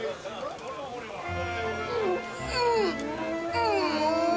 うん！